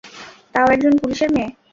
তাও একজন পুলিশের মেয়ে।